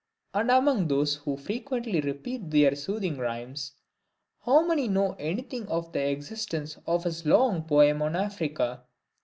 and among those who most frequently repeat their soothing rhymes, how many know any thing of the existence of his long poem on Africa?